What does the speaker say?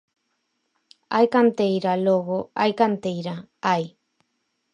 Hai canteira, logo Hai canteira, hai.